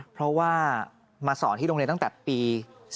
เพราะว่ามาสอนที่โรงเรียนตั้งแต่ปี๒๕๖